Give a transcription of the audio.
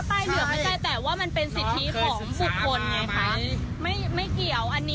พี่น้องใหญ่พี่เข้าใจ